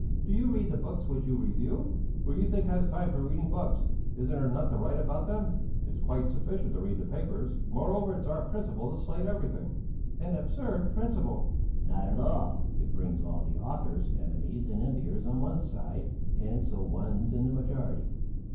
"Do you read the books which you review?" "Who do you think has time for reading books? Isn't it enough to write about them? It's quite sufficient to read the papers. Moreover, it's our principle to slate everything." "An absurd principle!" "Not at all! It brings all the author's enemies and enviers on one's side and so one's in the majority.